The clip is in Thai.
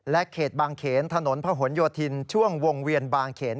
เขตบางเขนถนนพะหนโยธินช่วงวงเวียนบางเขน